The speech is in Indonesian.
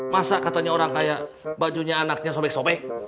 masa katanya orang kayak bajunya anaknya sobek sobek